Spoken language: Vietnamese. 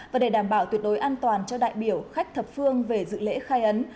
và để đảm bảo tuyệt đối an toàn cho đại biểu khách thập phương về dự lễ khai ấn